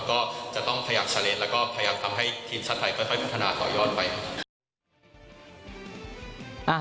ก็จะต้องขยับเลสแล้วก็พยายามทำให้ทีมชาติไทยค่อยพัฒนาต่อยอดไว้ครับ